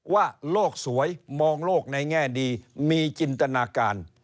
ว่าโลกสวยมองโลกในแง่ดีมีจินตนาการ